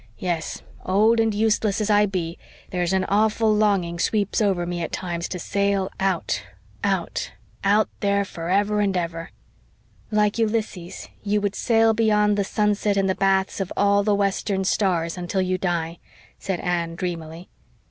Yes, old and useless as I be, there's an awful longing sweeps over me at times to sail out out out there forever and ever." "Like Ulysses, you would 'Sail beyond the sunset and the baths Of all the western stars until you die,'" said Anne dreamily.